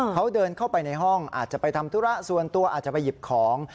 เขาเดินเข้าไปในห้องอาจจะไปทำธุระส่วนตัวอาจจะไปหยิบของ